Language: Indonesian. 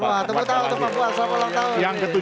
wah tepat tepat pak buat selamat ulang tahun